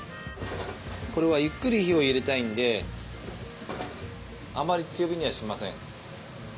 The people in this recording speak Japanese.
これはゆっくり火を入れたいんであまり強火にはしません。